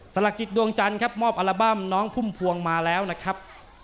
หลักจิตดวงจันทร์ครับมอบอัลบั้มน้องพุ่มพวงมาแล้วนะครับ